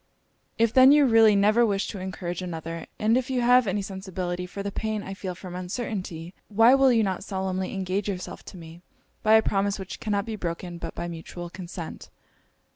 'If then you really never wish to encourage another, and if you have any sensibility for the pain I feel from uncertainty, why will you not solemnly engage yourself to me, by a promise which cannot be broken but by mutual consent?'